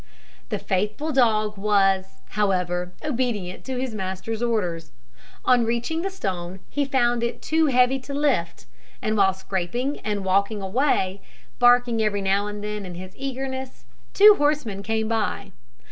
The faithful dog was, however, obedient to his master's orders. On reaching the stone he found it too heavy to lift, and while scraping and working away, barking every now and then in his eagerness, two horsemen came by.